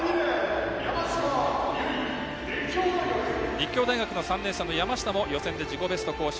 立教大学の３年生、山下も予選で自己ベスト更新。